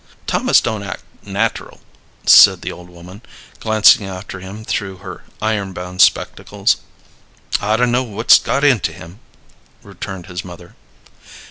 "Thomas don't act nateral," said the old woman, glancing after him through her iron bound spectacles. "I dun'no' what's got into him," returned his mother.